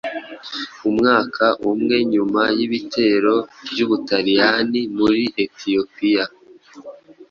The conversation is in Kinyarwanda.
umwaka umwe nyuma y’ibitero by’u Butaliyani muri Etiyopiya